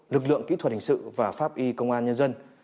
lực lượng kỹ thuật hình sự và pháp y công an nhân dân